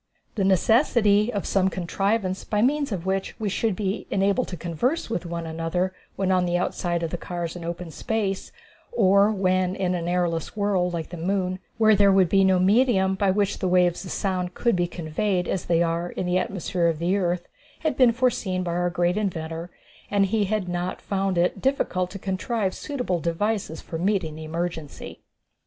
The necessity of some contrivance by means of which we should be enabled to converse with one another when on the outside of the cars in open space, or when in an airless world, like the moon, where there would be no medium by which the waves of sound could be conveyed as they are in the atmosphere of the earth, had been foreseen by our great inventor, and he had not found it difficult to contrive suitable devices for meeting the emergency.